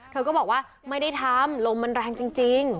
เธอก็บอกว่าไม่ได้ทำลมมันแรงจริง